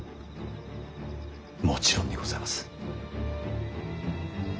もちろんにございます。